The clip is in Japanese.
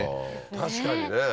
確かにね。